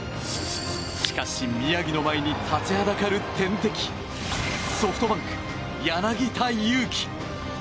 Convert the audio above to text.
しかし宮城の前に立ちはだかる天敵ソフトバンク、柳田悠岐。